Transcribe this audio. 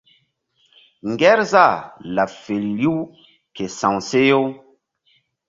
Ŋgerzah laɓ feri riw ke sa̧w seh-u.